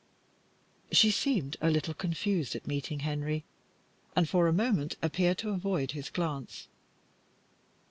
She seemed a little confused at meeting Henry, and for a moment appeared to avoid his glance.